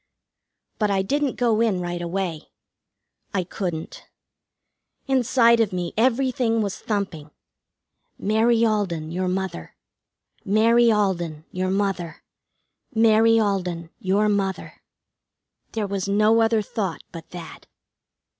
But I didn't go in right away. I couldn't. Inside of me everything was thumping: "Mary Alden, your Mother; Mary Alden, your Mother; Mary Alden, your Mother." There was no other thought but that.